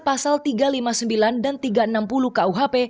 pasal tiga ratus lima puluh sembilan dan tiga ratus enam puluh kuhp